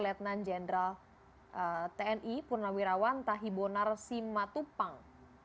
lieutenant general tni purnawirawan tahibonar simatupang